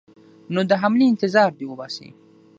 نو د حملې انتظار دې وباسي.